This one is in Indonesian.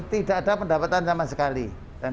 tidak ada pendapatan sama sekali